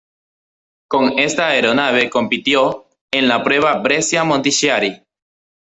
Con esta aeronave compitió en la prueba Brescia-Montichiari.